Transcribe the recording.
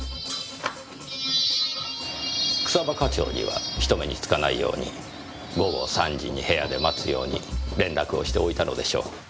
草葉課長には人目につかないように午後３時に部屋で待つように連絡をしておいたのでしょう。